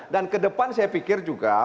dan ke depan saya pikir juga ya